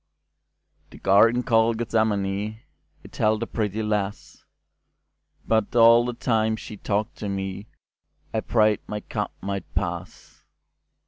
The Garden called Gethsemane, It held a pretty lass, But all the time she talked to meI prayed my cup might pass.